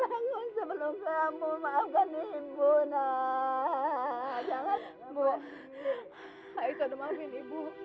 aisyah maafin ibu ibu bangun bu